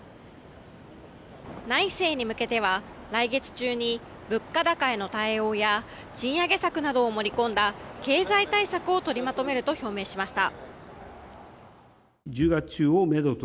内政に向けては来月中に物価高への対応や賃上げ策などを盛り込んだ経済対策を取りまとめると表明しました。